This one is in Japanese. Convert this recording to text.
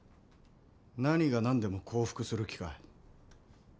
何が何でも降伏する気か？